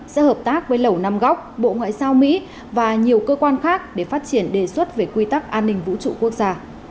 sẽ hợp tác với lầu nam góc bộ ngoại giao mỹ và nhiều cơ quan khác để phát triển đề xuất về quy tắc an ninh vũ trụ quốc gia